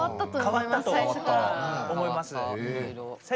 かわったと思います。